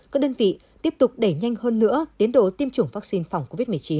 các đơn vị tiếp tục đẩy nhanh hơn nữa tiến độ tiêm chủng vaccine phòng covid một mươi chín